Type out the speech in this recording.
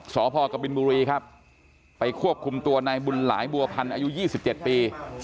สพกบินบุรีครับไปควบคุมตัวนายบุญหลายบัวพันธ์อายุ๒๗ปี